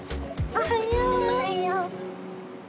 おはよう！